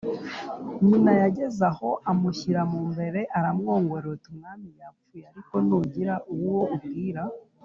Nyina yageze aho amushyira mu mbere aramwongorera ati:”Umwami yapfuye ariko nugira uwo ubwira